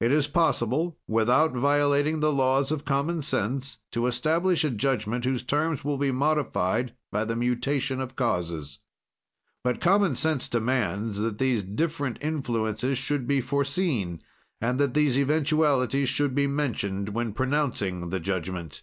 "It is possible, without violating the laws of common sense, to establish a judgment whose terms will be modified by the mutation of causes. "But common sense demands that these different influences should be foreseen, and that these eventualities should be mentioned when pronouncing the judgment."